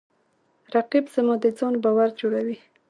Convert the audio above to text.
رقیب زما د ځان باور جوړوي